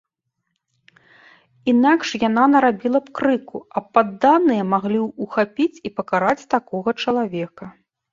Інакш яна нарабіла б крыку, а падданыя маглі ухапіць і пакараць такога чалавека.